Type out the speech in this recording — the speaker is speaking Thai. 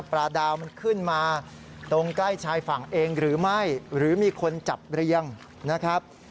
ดาวมันขึ้นมาตรงใกล้ชายฝั่งเองหรือไม่หรือมีคนจับเรียงนะครับ